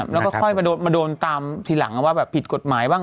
แล้วก็ค่อยมาโดนตามทีหลังว่าแบบผิดกฎหมายบ้าง